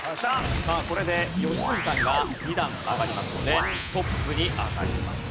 さあこれで良純さんが２段上がりますのでトップに上がります。